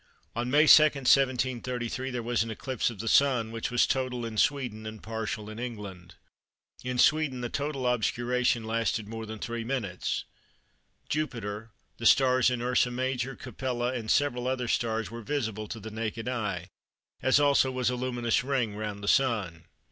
On May 2, 1733, there was an eclipse of the Sun, which was total in Sweden and partial in England. In Sweden the total obscuration lasted more than 3 minutes. Jupiter, the stars in Ursa Major, Capella, and several other stars were visible to the naked eye, as also was a luminous ring round the Sun.